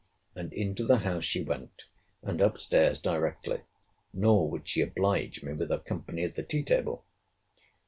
And into the house she went, and up stairs directly. Nor would she oblige me with her company at the tea table.